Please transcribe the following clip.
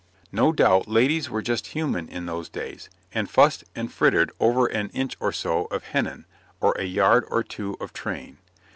No doubt ladies were just human in those days, and fussed and frittered over an inch or so of hennin, or a yard or two of train.